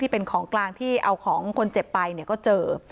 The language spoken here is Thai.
เป็นของกลางที่เอาของคนเจ็บไปก็เจอ